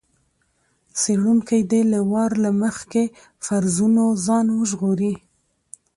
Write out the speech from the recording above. څېړونکی دې له وار له مخکې فرضونو ځان وژغوري.